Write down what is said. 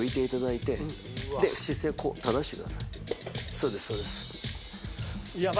そうですそうです。